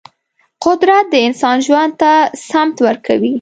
قدرت د انسان ژوند ته سمت ورکوي.